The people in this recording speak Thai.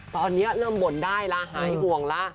ตอนนี้เริ่มบ่นได้ละหายห่วงแล้ว